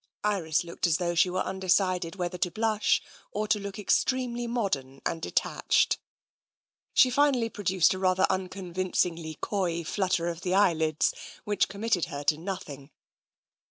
Iris looked as though she were undecided whether to blush or to look extremely modem and detached. 126 TENSION She finally produced a rather unconvincingly coy flutter of the eyelids, which committed her to nothing.